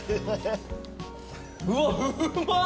うわっうまっ！